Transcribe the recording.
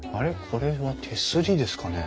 これは手すりですかね？